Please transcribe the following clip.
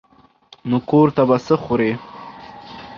نو کور ته به څه خورې.